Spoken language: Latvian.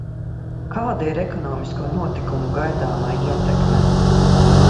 Kāda ir ekonomisko notikumu gaidāmā ietekme?